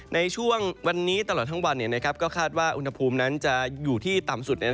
ในช่วงวันนี้ตลอดทั้งวันก็คาดว่าอุณหภูมินั้นจะอยู่ที่ต่ำสุด